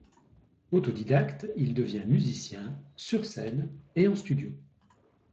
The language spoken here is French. Autodidacte, il devient musicien sur scène et en studio.